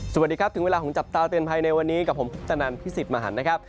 สวัสดีครับถึงเวลาของจับตาเตือนภัยในวันนี้กับผมพุทธนันพิสิทธิ์มหันนะครับ